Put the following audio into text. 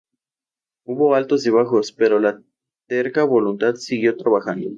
Hubo altos y bajos, pero la terca voluntad siguió trabajando.